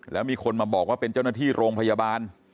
แล้วมีคนมาบอกว่าเป็นเจ้าหน้าที่โรงพยาบาล